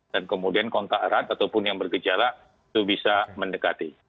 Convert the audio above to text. dan kemudian kontak erat ataupun yang bergejala itu bisa mendekati